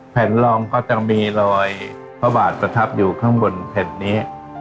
แผ่นรองก็จะมีรอยพระบาทประทับอยู่ข้างบนแผ่นนี้